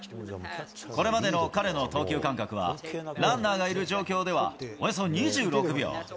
これまでの彼の投球間隔は、ランナーがいる状況ではおよそ２６秒。